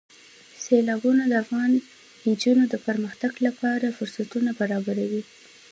سیلابونه د افغان نجونو د پرمختګ لپاره فرصتونه برابروي.